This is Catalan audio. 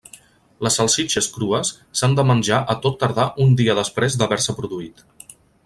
Les salsitxes crues s'han de menjar a tot tardar un dia després d'haver-se produït.